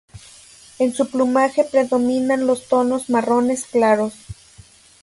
En su plumaje predominan los tonos marrones claros.